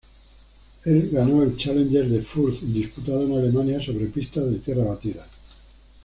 El ganó el Challenger de Fürth disputado en Alemania sobre pistas de tierra batida.